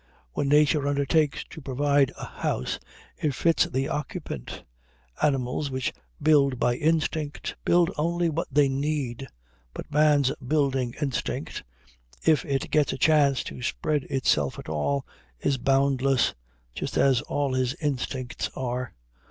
When nature undertakes to provide a house, it fits the occupant. Animals which build by instinct build only what they need, but man's building instinct, if it gets a chance to spread itself at all, is boundless, just as all his instincts are.